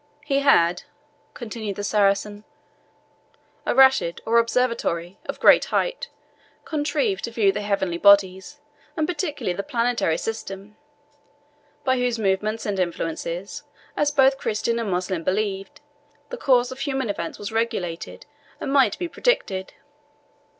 "He had," continued the Saracen, "a rashid, or observatory, of great height, contrived to view the heavenly bodies, and particularly the planetary system by whose movements and influences, as both Christian and Moslem believed, the course of human events was regulated, and might be predicted."